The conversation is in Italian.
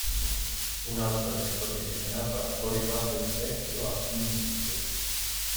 Un altro evento che viene narrato riguarda il vecchio asino grigio.